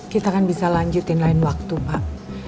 kita kan bisa lanjutin lain waktu pak